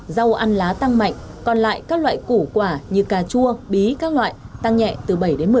rau ăn lá tăng mạnh còn lại các loại củ quả như cà chua bí các loại tăng nhẹ từ bảy một mươi